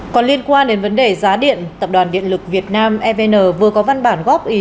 còn liên quan đến vấn đề giá điện tập đoàn điện lực việt nam evn vừa có văn bản góp ý